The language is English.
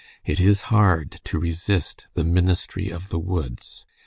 It is hard to resist the ministry of the woods.